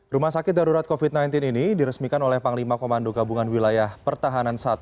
rumah sakit darurat covid sembilan belas ini diresmikan oleh panglima komando gabungan wilayah pertahanan i